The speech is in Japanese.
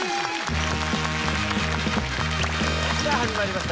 さあ始まりました